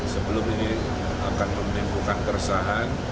sebelum ini akan menimbulkan keresahan